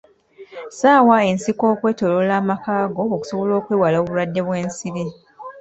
Ssaawa ensiko okwetoloola amaka go okusobola okwewala obulwadde bw'ensiri.